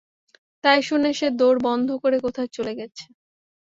তাই শুনে সে দোর বন্ধ করে কোথায় চলে গেছে।